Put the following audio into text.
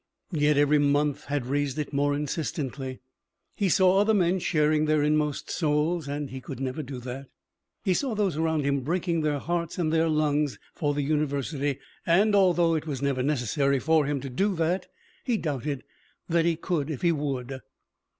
Yet every month had raised it more insistently. He saw other men sharing their inmost souls and he could never do that. He saw those around him breaking their hearts and their lungs for the university, and, although it was never necessary for him to do that, he doubted that he could if he would.